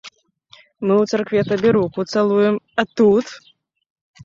Мы ў царкве табе руку цалуем, а тут?!.